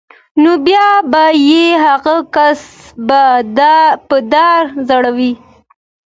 نو بیا به یې هغه کس په دار ځړاوه